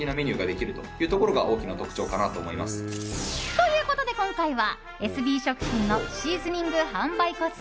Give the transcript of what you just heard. ということで今回はエスビー食品のシーズニング販売個数